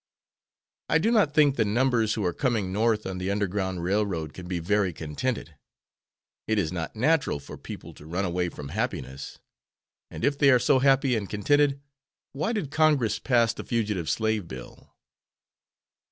I do not think the numbers who are coming North on the Underground Railroad can be very contented. It is not natural for people to run away from happiness, and if they are so happy and contented, why did Congress pass the Fugitive Slave Bill?"